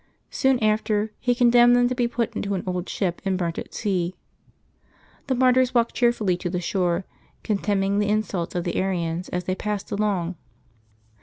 Soon after, he condemned them to be put into an old ship and burnt at sea. The martyrs walked cheerfully to the shore, contemning the insults of the Arians as they passed along.